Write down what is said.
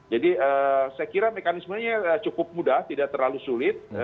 jadi saya kira mekanismenya cukup mudah tidak terlalu sulit